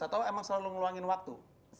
atau emang selalu ngeluangin waktu